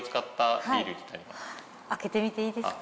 開けてみていいですか？